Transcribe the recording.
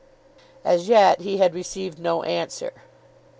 As yet he had received no answer.